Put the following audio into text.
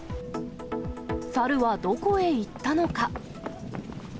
猿はどこへ行ったのか。